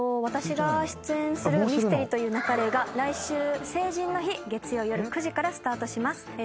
私が出演する『ミステリと言う勿れ』が来週成人の日月曜夜９時からスタートします。